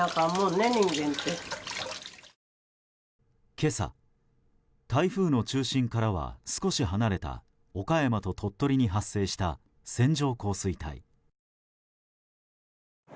今朝、台風の中心からは少し離れた岡山と鳥取に発生した線状降水帯。